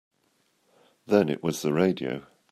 Then it was the radio.